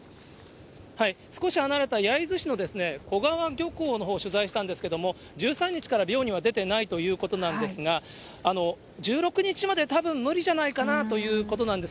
少し離れた焼津市の小川漁港のほう、取材したんですけれども、１３日から漁には出てないということなんですが、１６日まで多分無理じゃないかなということなんです。